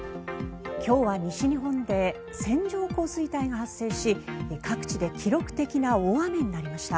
今日は西日本で線状降水帯が発生し各地で記録的な大雨になりました。